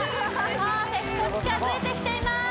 パーフェクト近づいてきています